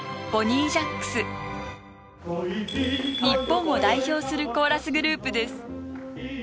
日本を代表するコーラスグループです。